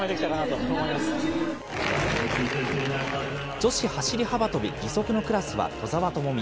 女子走り幅跳び義足のクラスは兎澤朋美。